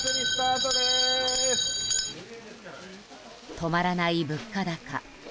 止まらない物価高。